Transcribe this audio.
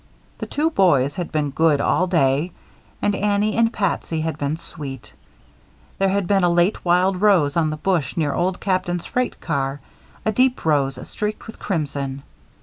The two boys had been good all day and Annie and Patsy had been sweet. There had been a late wild rose on the bush near Old Captain's freight car a deep rose streaked with crimson.